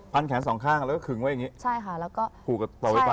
พันแขนสองข้างแล้วก็ขึงไว้อย่างนี้ผูกกับเสาไฟฟ้า